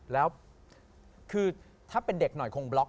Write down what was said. แล้วคือถ้าเป็นเด็กหน่อยคงบล็อก